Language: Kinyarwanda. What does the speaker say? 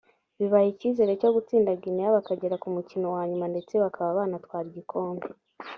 bibaha icyizere cyo gutsinda Guinea bakagera ku mukino wa nyuma ndetse bakaba banatwara igikombe